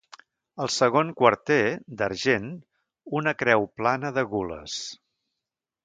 Al segon quarter, d'argent, una creu plana de gules.